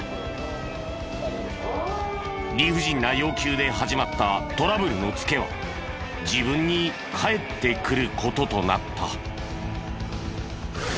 理不尽な要求で始まったトラブルのつけは自分に返ってくる事となった。